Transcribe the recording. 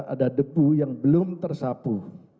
ada debu yang belum tersapu